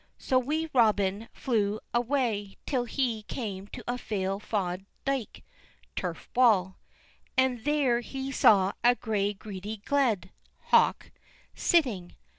So Wee Robin flew awa' till he came to a fail fauld dike (turf wall), and there he saw a gray greedy gled (hawk) sitting.